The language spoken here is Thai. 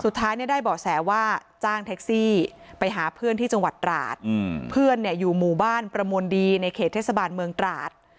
สุดท้ายเนี่ยได้เบาะแสว่าจ้างแท็กซี่ไปหาเพื่อนที่จังหวัดตราดเพื่อนอยู่หมู่บ้านประมวลดีในเขตเทศบาลเมืองตราด